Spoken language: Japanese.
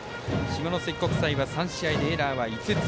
下関国際は３試合でエラー、５つ。